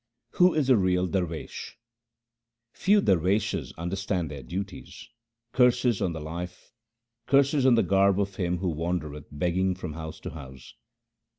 Who is a real darwesh :— Few darweshes understand their duties. Curses on the life, curses on the garb of him who wan dereth begging from house to house